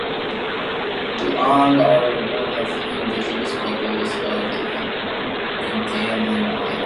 The Onge are one of the indigenous people of Andaman Islands.